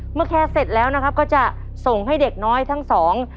แค่เสร็จแล้วนะครับก็จะส่งให้เด็กน้อยทั้งสอง